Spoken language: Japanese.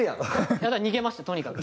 だから逃げましたとにかく。